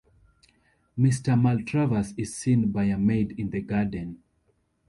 Mr Maltravers is seen by a maid in the garden.